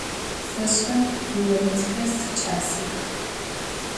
Seş'e, yioredxer siç'asex.